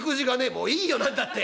「もういいよ何だって。